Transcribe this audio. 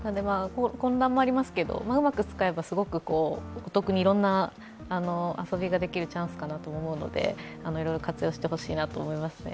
混乱もありますけどうまく使えば、すごくお得に、いろんな遊びができるチャンスかなと思うのでいろいろ活用してほしいなと思いますね。